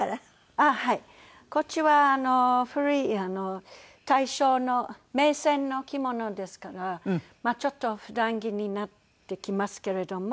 こっちは古い大正の銘仙の着物ですからちょっと普段着になってきますけれども。